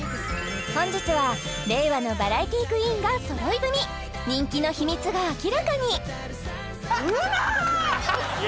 本日は令和のバラエティクイーンがそろい踏み人気の秘密が明らかにうまーい！